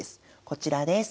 こちらです。